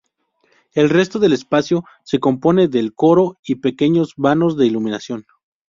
El resto del espacio se compone del coro y pequeños vanos de iluminación.